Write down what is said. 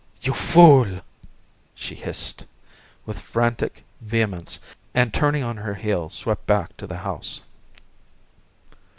"You fool!" she hissed, with frantic vehemence, and turning on her heel swept back to the house.